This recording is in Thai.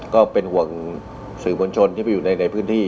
ก็เป็นห่วงสื่อมวลชนที่ไปอยู่ในพื้นที่